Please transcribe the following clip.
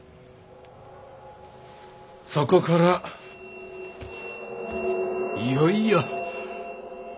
そこからいよいよ。